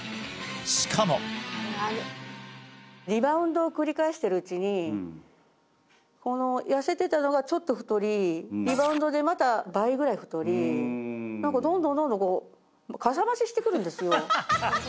しかもリバウンドを繰り返してるうちにこの痩せてたのがちょっと太りリバウンドでまた倍ぐらい太り何かどんどんどんどんこうかさ増ししてくるんですよ